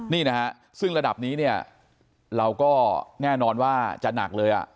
นี่นะฮะซึ่งระดับนี้เนี่ยเราก็แน่นอนว่าจะหนักเลยอ่ะ